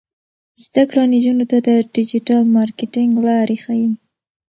زده کړه نجونو ته د ډیجیټل مارکیټینګ لارې ښيي.